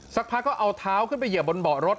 สักพักก็เอาเท้าขึ้นไปเหยียบบนเบาะรถ